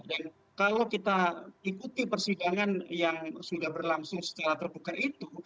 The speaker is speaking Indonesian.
dan kalau kita ikuti persidangan yang sudah berlangsung secara terbuka itu